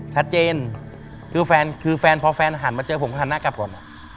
ชัดเจนคือแฟนคือแฟนพอแฟนหันมาเจอผมก็หันหน้ากลับก่อน